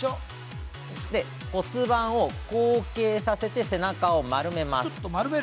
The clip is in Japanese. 骨盤を後傾させて、背中を丸めます。